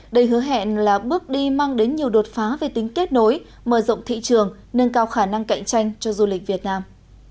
đây hứa hẹn là bước đi mang đến nhiều đột phá về tính kết nối mở rộng thị trường nâng cao khả năng cạnh tranh cho du lịch việt nam